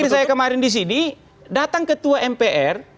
seperti saya kemarin di sini datang ketua mpr